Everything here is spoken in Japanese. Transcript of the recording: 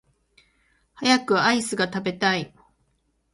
早くアイスが食べたい